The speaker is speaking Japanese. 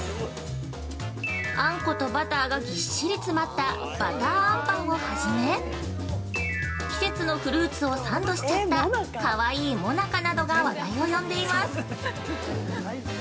あんことバターがぎっしり詰まったばたーあんパンをはじめ季節のフルーツをサンドしちゃったかわいい最中などが話題を呼んでいます。